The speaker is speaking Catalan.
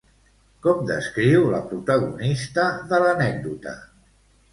Com descriu la protagonista de l'anècdota?